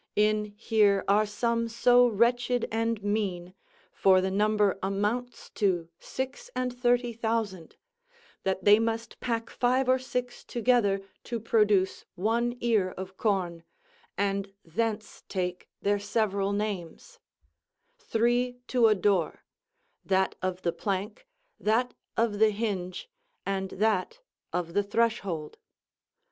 In here are some so wretched and mean (for the number amounts to six and thirty thousand) that they must pack five or six together, to produce one ear of corn, and thence take their several names; three to a door that of the plank, that of the hinge, and that of the threshold.